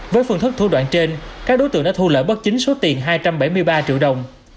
với phương thức thu đoạn trên các đối tượng đã thu lỡ bất chính số tiền hai trăm bảy mươi ba triệu đồng